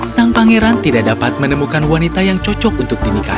sang pangeran tidak dapat menemukan wanita yang cocok untuk dinikahi